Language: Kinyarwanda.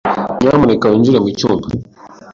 Nyamuneka winjire mucyumba.